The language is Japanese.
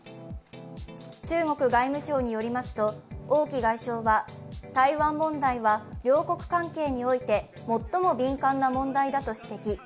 中国外務省によりますと王毅外相は台湾問題は両国関係において最も敏感な問題だと指摘。